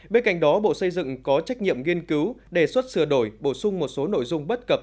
bên cạnh đó bộ xây dựng có trách nhiệm nghiên cứu đề xuất sửa đổi bổ sung một số nội dung bất cập